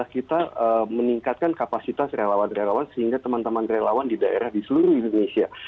kita meningkatkan kapasitas relawan relawan sehingga teman teman relawan di daerah di seluruh indonesia